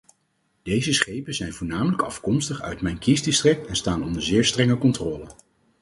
Deze schepen zijn voornamelijk afkomstig uit mijn kiesdistrict en staan onder zeer strenge controle.